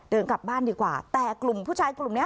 เดินกลับบ้านดีกว่าแต่กลุ่มผู้ชายกลุ่มเนี้ย